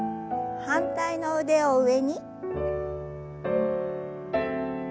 反対の腕を上に。